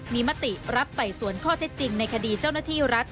มีมติรับไต่สวนข้อเท็จจริงในคดีเจ้าหน้าที่รัฐ